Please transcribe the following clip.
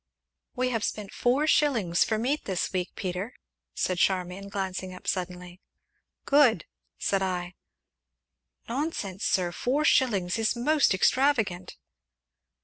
"We have spent four shillings for meat this week, Peter!" said Charmian, glancing up suddenly. "Good!" said I. "Nonsense, sir four shillings is most extravagant!"